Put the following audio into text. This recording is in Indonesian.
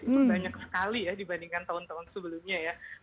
itu banyak sekali ya dibandingkan tahun tahun sebelumnya ya